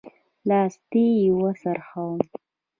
لاستی يې وڅرخوه.